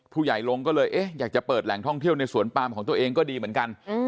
ผู้ใหญ่ลงก็เลยเอ๊ะอยากจะเปิดแหล่งท่องเที่ยวในสวนปามของตัวเองก็ดีเหมือนกัน